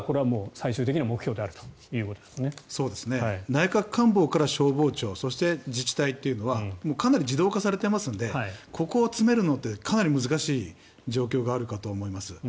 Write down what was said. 内閣官房から消防庁そして、自治体というのはかなり自動化されていますのでここを詰めるのってかなり難しい状況があるかと思います。